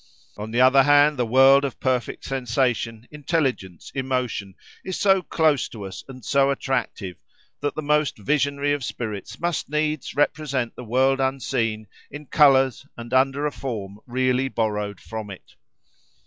On the other hand, the world of perfected sensation, intelligence, emotion, is so close to us, and so attractive, that the most visionary of spirits must needs represent the world unseen in colours, and under a form really borrowed from it.